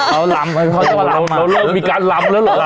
เอาลำเราเริ่มมีการลำแล้วหรือ